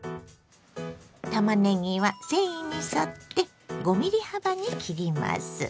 たまねぎは繊維に沿って５ｍｍ幅に切ります。